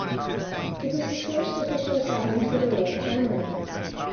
It was his first official assignment for the royal family.